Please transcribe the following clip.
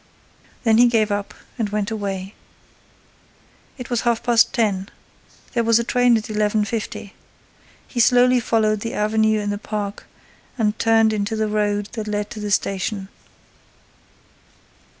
Then he gave up and went away. It was half past ten. There was a train at eleven fifty. He slowly followed the avenue in the park and turned into the road that led to the station.